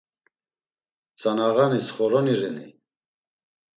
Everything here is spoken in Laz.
Tzanağanis xoroni reni?